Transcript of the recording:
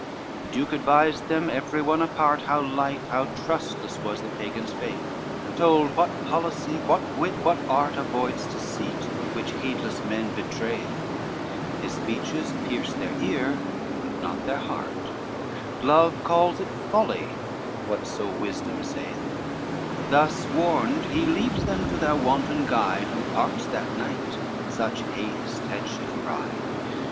LXXVIII The duke advised them every one apart, How light, how trustless was the Pagan's faith, And told what policy, what wit, what art, Avoids deceit, which heedless men betray'th; His speeches pierce their ear, but not their heart, Love calls it folly, whatso wisdom saith: Thus warned he leaves them to their wanton guide, Who parts that night; such haste had she to ride.